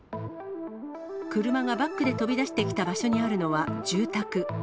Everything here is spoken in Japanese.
車がバックで飛び出してきた場所にあるのは住宅。